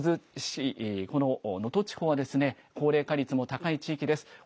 珠洲市、この能登地方は高齢化率が高い地域です。